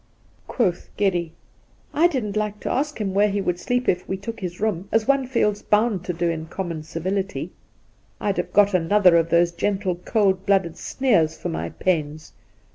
Quoth Geddy :' I didn't like to ask him where he would sleep if we took his room, as one feels bound to do in common civility. I'd have got another of those gentle cold blooded sneers for my pains.